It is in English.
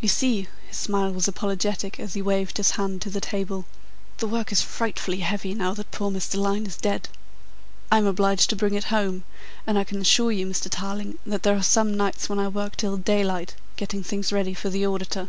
"You see," his smile was apologetic as he waved his hand to the table, "the work is frightfully heavy now that poor Mr. Lyne is dead. I am obliged to bring it home, and I can assure you, Mr. Tarling, that there are some nights when I work till daylight, getting things ready for the auditor."